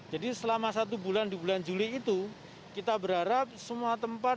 jadi selama satu bulan di bulan juli itu kita berharap semua tempat